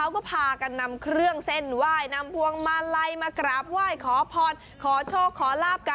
บางคนขอยังเดียวไม่พอนะคะ